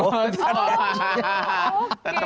oh jadi anjingnya